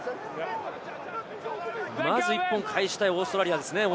まず１本を返したいオーストラリアですね。